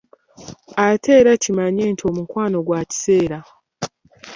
Ate era kimanye nti omukwano gwa kiseera